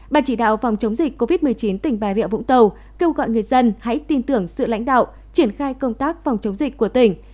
bàn chỉ đạo phòng chống dịch covid một mươi chín tỉnh bà rịa vũng tàu kêu gọi người dân hãy tin tưởng sự lãnh đạo triển khai công tác phòng chống dịch của tỉnh